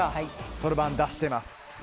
そろばん出しています。